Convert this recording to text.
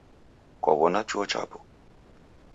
Kwaw'ona chuo chapo?